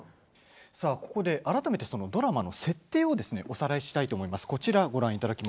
改めてドラマの設定をおさらいしたいと思います。